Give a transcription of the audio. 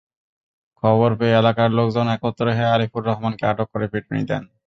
খবর পেয়ে এলাকার লোকজন একত্র হয়ে আরিফুর রহমানকে আটক করে পিটুনি দেন।